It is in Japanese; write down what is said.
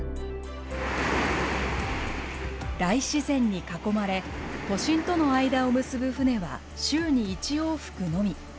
大自然に囲まれ、都心との間を結ぶ船は、週に１往復のみ。